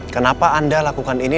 kenapa anda lakukan ini